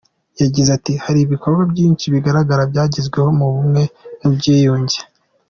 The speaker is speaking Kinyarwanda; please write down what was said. Yagize ati “Hari ibikorwa byinshi bigaragara byagezweho mu bumwe n’ubwiyunge.